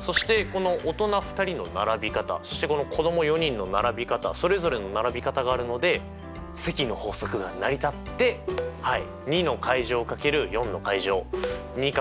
そしてこの大人２人の並び方そしてこの子ども４人の並び方それぞれの並び方があるので積の法則が成り立って４８通りです！